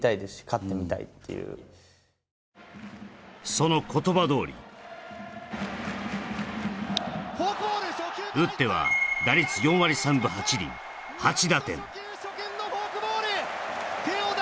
その言葉どおり打っては打率４割３分８厘、８打点。